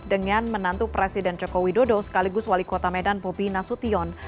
dengan menantu presiden joko widodo sekaligus wali kota medan bobi nasution